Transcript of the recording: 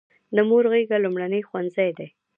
د مور غیږه لومړنی ښوونځی دی.